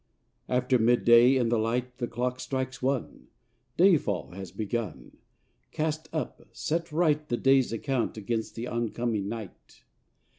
After midday, in the light The clock strikes one, — Day fall has begun. Cast up, set right The day's account against the on coming night.